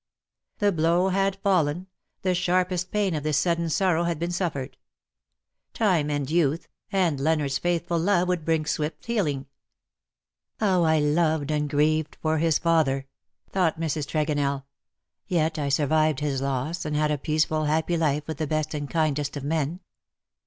The blow had fallen — the sharpest pain of this sudden sorrow had been suffered. Time and youth, and Leonardos faithful love would bring swift healing. " How I loved and grieved for his father/^ thought Mrs. Tregonell. '^ Yet I survived his loss, and had a peaceful happy life with the best and kindest of men.''